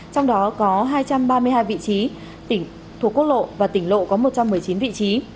trong đó có hai trăm ba mươi hai vị trí thuộc quốc lộ và tỉnh lộ có một trăm một mươi chín vị trí